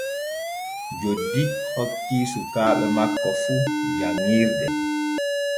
Joddi hokkii sukaaɓe makko fu janŋirde.